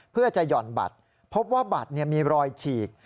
เพื่อจะหย่อนบัตรพบว่าบัตรมีรอยฉีก